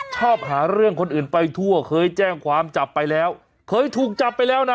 ชอบหาเรื่องคนอื่นไปทั่วเคยแจ้งความจับไปแล้วเคยถูกจับไปแล้วนะ